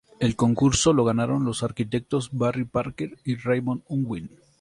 El concurso lo ganaron los arquitectos Barry Parker y Raymond Unwin.